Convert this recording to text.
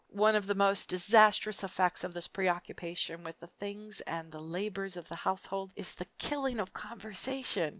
One of the most disastrous effects of this preocccupation with the things and the labors of the household is the killing of conversation.